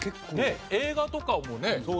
ねえ映画とかもね。